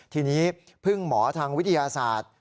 ทีนี้พึ่งหมอทางวิทยาศาสตร์